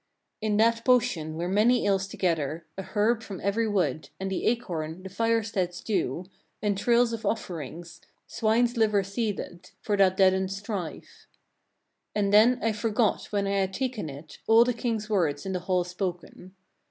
23. In that potion were many ills together, a herb from every wood, and the acorn, the fire stead's dew, entrails of offerings, swine's liver seethed; for that deadens strife. 24. And then I forgot, when I had taken it, all the king's words in the hall spoken.